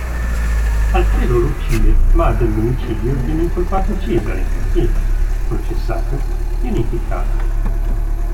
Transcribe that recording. Alfredo lo uccide ma dell'omicidio viene incolpato Cesare che, processato, viene impiccato.